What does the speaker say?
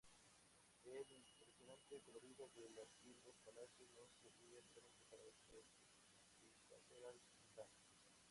El impresionante colorido de las tiendas-palacios no servía solamente para satisfacer al sultán.